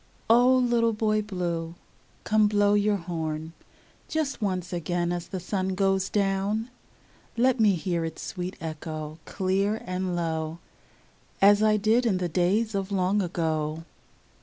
0 little Boy Blue, come blow your horn Just once again as the sun goes down; Let me hear its sweet echo, clear and low, As I did in the days of long ago.